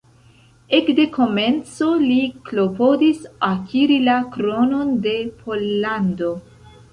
Ekde komenco li klopodis akiri la kronon de Pollando.